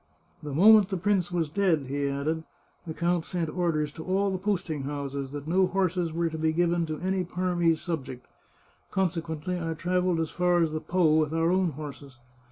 " The moment the prince was dead," he added, " the count sent orders to all the posting houses that no horses were to be given to any Parmese subject; consequently I travelled as far as the Po with our own horses.